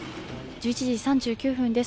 １１時３９分です。